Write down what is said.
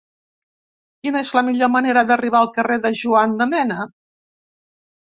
Quina és la millor manera d'arribar al carrer de Juan de Mena?